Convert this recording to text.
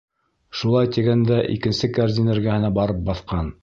Шулай тигән дә икенсе кәрзин эргәһенә барып баҫҡан.